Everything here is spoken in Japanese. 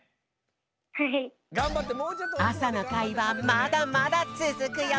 朝の会はまだまだつづくよ！